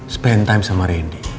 spend time sama randy